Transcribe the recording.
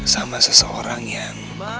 sama seseorang yang